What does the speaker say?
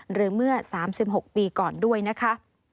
หรือเมื่อ๓๖ปีก่อนด้วยนะคะ